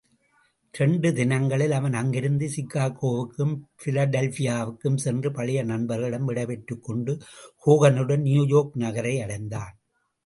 இரண்டு தினங்களில் அவன் அங்கிருந்து சிக்காகோவுக்கும் பிலடல்பியாவுக்கும் சென்று, பழைய நண்பர்களிடம் விடைபெற்றுக் கொண்டு, ஹோகனுடன் நியூயார்க் நகரையடைந்தான்.